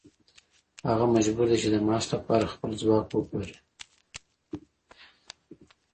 هغه مجبور دی چې د معاش لپاره خپل ځواک وپلوري